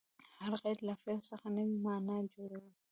هر قید له فعل څخه نوې مانا جوړوي.